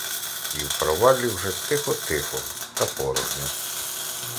І в проваллі вже тихо-тихо та порожньо.